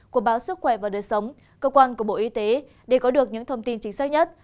của báo sức khỏe và đời sống cơ quan của bộ y tế để có được những thông tin chính xác nhất